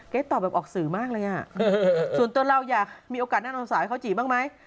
ตอบแบบออกสื่อมากเลยอ่ะส่วนตัวเราอยากมีโอกาสแน่นอนสาวให้เขาจีบบ้างไหม